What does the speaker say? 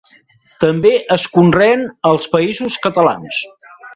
També es conreen als Països Catalans.